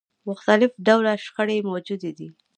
مختلف ډوله شخړې موجودې دي.